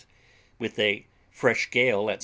with a fresh gale at S.